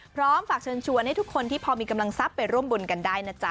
พร้อมฝากเชิญชวนให้ทุกคนที่พอมีกำลังทรัพย์ไปร่วมบุญกันได้นะจ๊